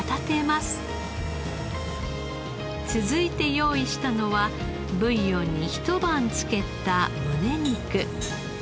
続いて用意したのはブイヨンに一晩つけたむね肉。